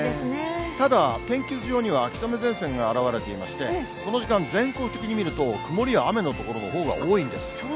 ただ、天気図上には、秋雨前線が現れていまして、この時間、全国的に見ると、曇りや雨の所のほうが多いんです。